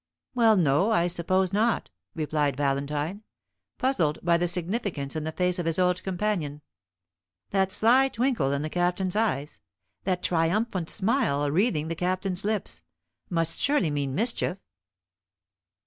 "Well, no, I suppose not," replied Valentine, puzzled by the significance in the face of his old companion. That sly twinkle in the Captain's eyes, that triumphant smile wreathing the Captain's lips, must surely mean mischief.